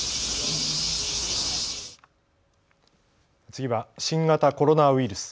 次は新型コロナウイルス。